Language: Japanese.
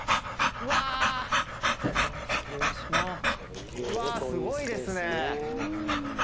うわぁすごいですね。